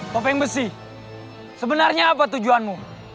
topeng besi sebenarnya apa tujuanmu